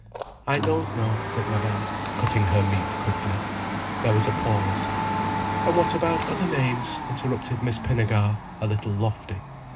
"I don't know," said Madame, cutting her meat quickly. There was a pause. "And what about other names," interrupted Miss Pinnegar, a little lofty.